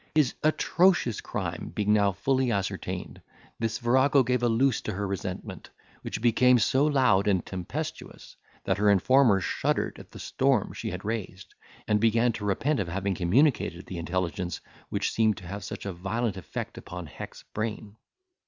His atrocious crime being now fully ascertained, this virago gave a loose to her resentment, which became so loud and tempestuous, that her informer shuddered at the storm she had raised, and began to repent of having communicated the intelligence which seemed to have such a violent effect upon hex brain.